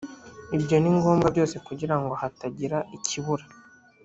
ibyo ni ngombwa byose kugira ngo hatagira ikibura